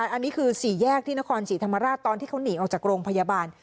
อันนี้คือสี่แยกที่นครศรีธรรมราชตอนที่เขาหนีออกจากโรงพยาบาล